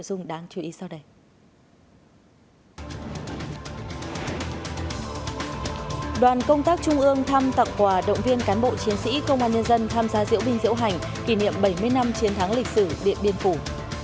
các trung ương thăm tặng quà động viên cán bộ chiến sĩ công an nhân dân tham gia diễu binh diễu hành kỷ niệm bảy mươi năm chiến thắng lịch sử điện biên phủ